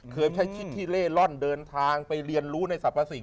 เคยใช้ที่เล่ล่อนเดินทางไปเรียนรู้ในสรรพสิงค์